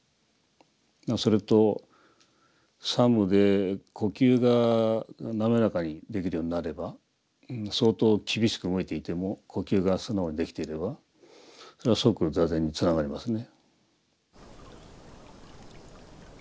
それと作務で呼吸が滑らかにできるようになれば相当厳しく動いていても呼吸が素直にできていればそれは即坐禅につながりますね。